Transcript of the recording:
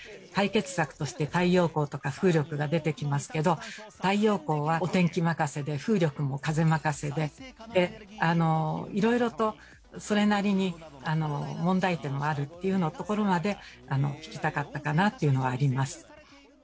解決策として太陽光とか風力が出てきますけど太陽光はお天気任せで風力も風任せでいろいろとそれなりに問題点もあるっていうところまで聞きたかったかなっていうのはあります。